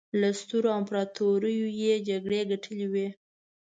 له سترو امپراطوریو یې جګړې ګټلې وې.